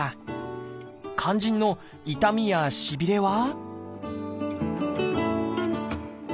肝心の痛みやしびれは？